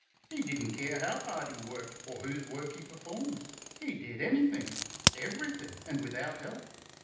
He didn't care how hard he worked or whose work he performed. He did anything everything, and without help.